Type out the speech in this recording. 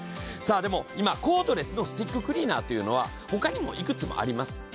さあでも今コードレスのスティッククリーナーというのは他にもいくつもあります。